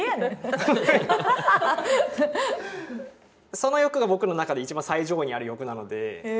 その欲が僕の中で一番最上位にある欲なので。